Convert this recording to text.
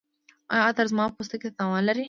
ایا عطر زما پوستکي ته تاوان لري؟